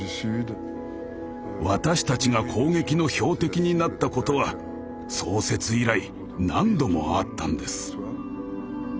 私たちが攻撃の標的になったことは創設以来何度もあったんです。